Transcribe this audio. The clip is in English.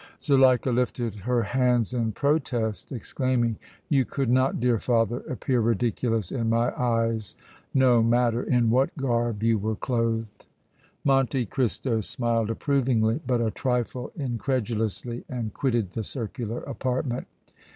Zuleika lifted her hands in protest, exclaiming: "You could not, dear father, appear ridiculous in my eyes, no matter in what garb you were clothed!" Monte Cristo smiled approvingly, but a trifle incredulously and quitted the circular apartment.